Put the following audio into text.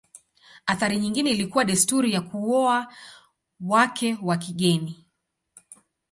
Athari nyingine ilikuwa desturi ya kuoa wake wa kigeni.